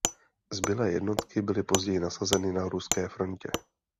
Zbylé jednotky byly později nasazeny na ruské frontě.